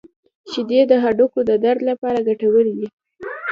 • شیدې د هډوکو د درد لپاره ګټورې دي.